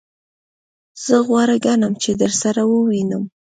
زه غوره ګڼم چی درسره ووینم.